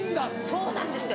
そうなんですって。